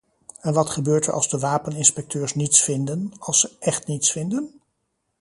En wat gebeurt er als de wapeninspecteurs niets vinden, als ze echt niets vinden?